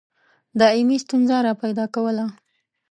دایمي ستونزه را پیدا کوله.